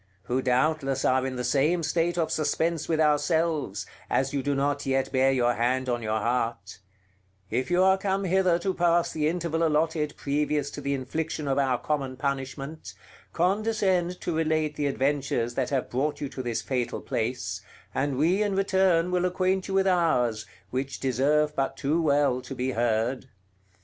who doubtless are in the same state of suspense with ourselves, as you do not yet bear your hand on your heart, if you are come hither to pass the interval allotted previous to the infliction of our common punishment, condescend to relate the adventures that have brought you to this fatal place, and we in return will acquaint you with ours, which deserve but too well to be heard.